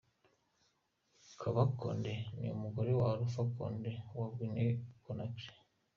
Kaba Condé ni umugore wa Alpha Condé wa Guinea Conakry.